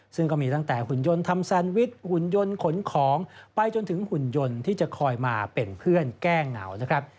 ซึ่งก็มีตั้งแต่หุ่นยนต์ทำแซนวิชหุ่นยนต์ขนของไปจนถึงหุ่นยนต์ที่จะคอยมาเป็นเพื่อนแก้เหงานะครับ